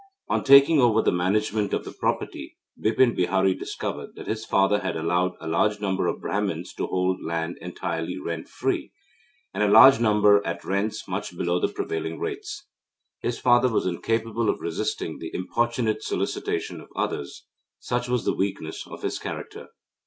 On taking over the management of the property, Bipin Bihari discovered that his father had allowed a large number of Brahmins to hold land entirely rent free, and a larger number at rents much below the prevailing rates. His father was incapable of resisting the importunate solicitation of others such was the weakness of his character.